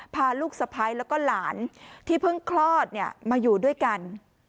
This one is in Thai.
พาลูกสะพ้ายแล้วก็หลานที่เพิ่งคลอดมาอยู่ด้วยกัน